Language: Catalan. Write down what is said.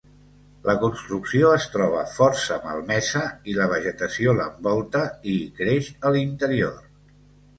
La construcció es troba força malmesa i la vegetació l'envolta i hi creix a l'interior.